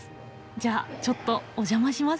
じゃあちょっとお邪魔します。